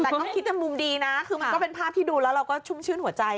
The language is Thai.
แต่ต้องคิดในมุมดีนะคือมันก็เป็นภาพที่ดูแล้วเราก็ชุ่มชื่นหัวใจ